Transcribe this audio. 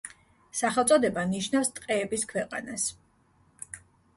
სახელწოდება ნიშნავს „ტყეების ქვეყანას“.